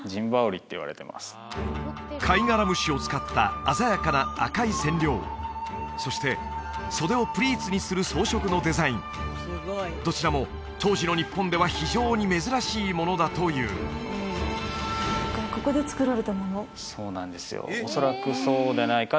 カイガラムシを使った鮮やかな赤い染料そして袖をプリーツにする装飾のデザインどちらも当時の日本では非常に珍しいものだというそうなんですよ